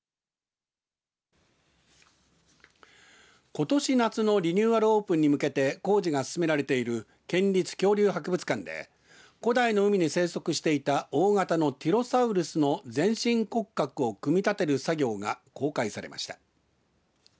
ことし夏のリニューアルオープンに向けて工事が進められている県立恐竜博物館で古代の海に生息していた大型のティロサウルスの全身骨格を組み立てる作業が公開されました。